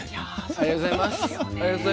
ありがとうございます。